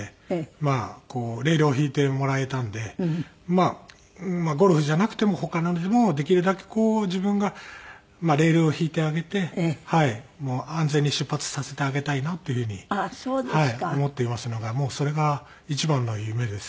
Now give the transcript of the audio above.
まあゴルフじゃなくても他のでもできるだけこう自分がレールを敷いてあげて安全に出発させてあげたいなという風に思っていますのがもうそれが一番の夢です。